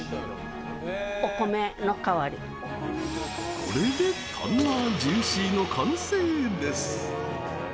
これで「タンナージューシー」の完成です。